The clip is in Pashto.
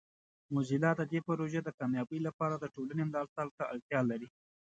موزیلا د دې پروژې د کامیابۍ لپاره د ټولنې ملاتړ ته اړتیا لري.